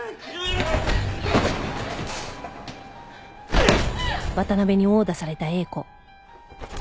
うっ！